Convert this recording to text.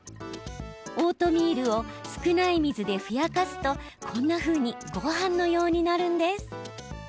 オートミールを少ない水でふやかすとこんなふうにごはんのようになるんです。